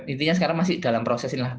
intinya sekarang masih dalam proses ini lah